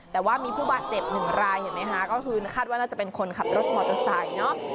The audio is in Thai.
แต่ว่ามีผู้บาดเจ็บหนึ่งรายเห็นไหมคะก็คือคาดว่าน่าจะเป็นคนขับรถมอเตอร์ไซค์เนาะ